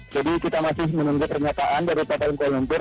jadi kita masih menunggu pernyataan dari ppln kuala lumpur